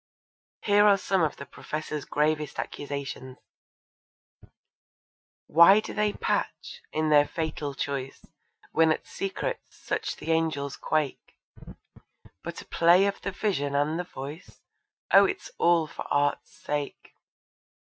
Here are some of the Professor's gravest accusations: Why do they patch, in their fatal choice, When at secrets such the angels quake, But a play of the Vision and the Voice? Oh, it's all for Art's sake.